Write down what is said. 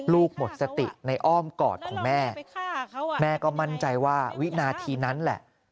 หมดสติในอ้อมกอดของแม่แม่ก็มั่นใจว่าวินาทีนั้นแหละ